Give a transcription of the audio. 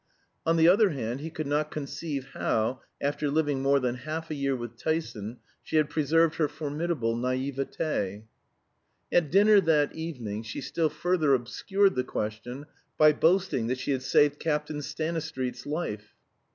On the other hand, he could not conceive how, after living more than half a year with Tyson, she had preserved her formidable naïveté. At dinner that evening she still further obscured the question by boasting that she had saved Captain Stanistreet's life.